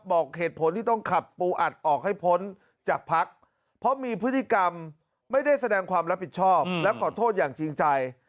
บอกเหตุผลที่ต้องขับปูอัดออกให้พ้นจากพักเพราะมีพฤติกรรมไม่ได้แสดงความรับผิดชอบและขอโทษอย่างจริงใจ